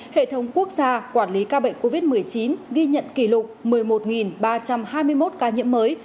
hệ thống quốc gia quản lý ca bệnh covid một mươi chín ghi nhận kỷ lục một mươi một ba trăm hai mươi một ca nhiễm mới